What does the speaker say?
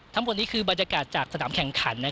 ทั้งหมดนี้คือบรรยากาศจากสนามแข่งขัน